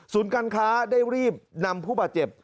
การค้าได้รีบนำผู้บาดเจ็บ